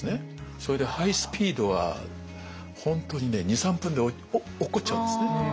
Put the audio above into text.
それでハイスピードは本当にね２３分で落っこっちゃうんですね。